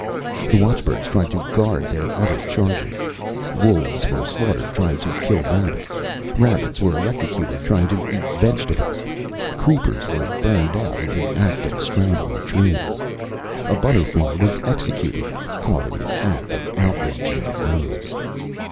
The watchbirds tried to guard their other charges. Wolves were slaughtered, trying to kill rabbits. Rabbits were electrocuted, trying to eat vegetables. Creepers were burned out in the act of strangling trees. A butterfly was executed, caught in the act of outraging a rose.